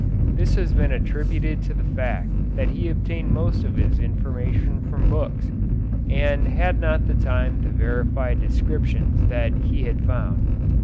This has been attributed to the fact that he obtained most of his information from books, and had not the time to verify descriptions that he had found.